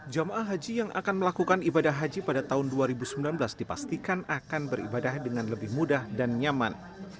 jemaah haji yang akan melakukan ibadah haji pada tahun dua ribu sembilan belas dipastikan akan beribadah dengan lebih mudah dan nyaman